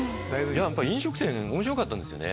飲食店面白かったんですよね